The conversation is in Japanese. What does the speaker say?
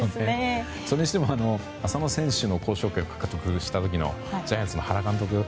それにしても浅野選手の交渉権を獲得した時のジャイアンツの原監督